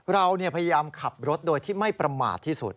เราพยายามขับรถโดยที่ไม่ประมาทที่สุด